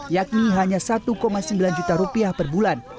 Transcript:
yakni hanya satu sembilan juta rupiah per bulan